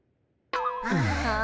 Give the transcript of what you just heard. はあ。